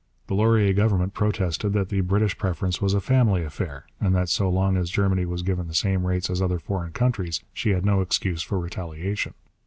The Laurier Government protested that the British preference was a family affair, and that so long as Germany was given the same rates as other foreign countries she had no excuse for retaliation.